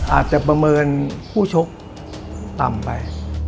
อาจจะประเมินคู่ชกต่ำไป